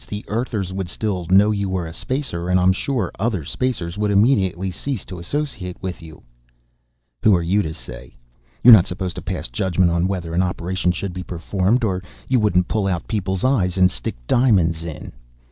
The Earthers would still know you were a Spacer, and I'm sure the other Spacers would immediately cease to associate with you." "Who are you to say? You're not supposed to pass judgment on whether an operation should be performed, or you wouldn't pull out people's eyes and stick diamonds in!"